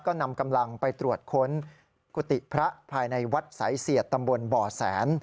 ก็นำกำลังไปตรวจค้นกุฏิพระภายในวัดสายเสียดตำบลบ่อแสน